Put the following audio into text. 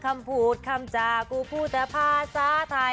คำพูดคำจากกูพูดแต่ภาษาไทย